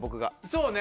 そうね。